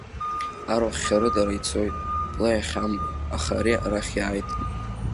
Арахә хьарыдара ицоит, бла иахьамбо, аха ари арахь иааит.